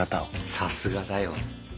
さすがだよ。